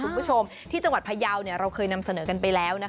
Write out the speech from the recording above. คุณผู้ชมที่จังหวัดพยาวเราเคยนำเสนอกันไปแล้ว